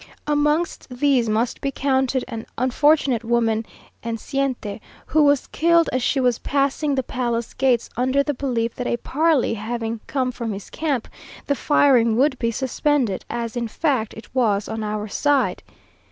Amongst these must be counted an unfortunate woman enceinte, who was killed as she was passing the palace gates under the belief that a parley having come from his camp, the firing would be suspended, as in fact it was on our side.